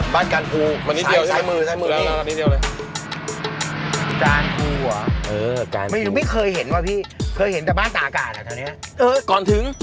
บ้านการพูสายมือเอง